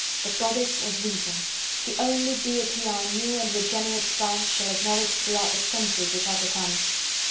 The Goddess of Reason! the only deity our new and regenerate France shall acknowledge throughout the centuries which are to come!"